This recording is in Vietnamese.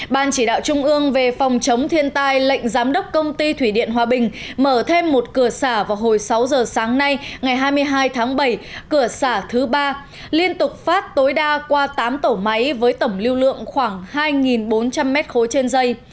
ban chỉ đạo trung ương về phòng chống thiên tai lệnh giám đốc công ty thủy điện hòa bình mở thêm một cửa xả vào hồi sáu giờ sáng nay ngày hai mươi hai tháng bảy cửa xả thứ ba liên tục phát tối đa qua tám tổ máy với tổng lưu lượng khoảng hai bốn trăm linh m ba trên dây